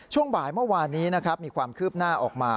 ช่วงบ่ายเมื่อวานนี้นะครับมีความคืบหน้าออกมา